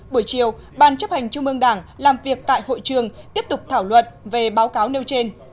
buổi chiều ban chấp hành trung ương đảng làm việc tại hội trường tiếp tục thảo luận về báo cáo nêu trên